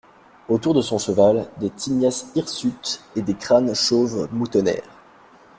Autour de son cheval, des tignasses hirsutes et des crânes chauves moutonnèrent.